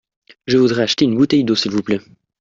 Je voudrais acheter une bouteille d'eau s'il vous plait.